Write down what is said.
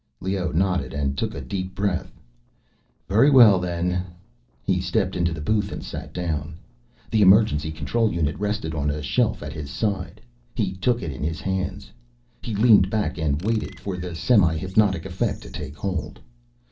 Leoh nodded and took a deep breath. "Very well then." He stepped into the booth and sat down. The emergency control unit rested on a shelf at his side; he took it in his hands. He leaned back and waited for the semihypnotic effect to take hold.